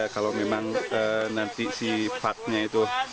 kalau memang nanti si partnya itu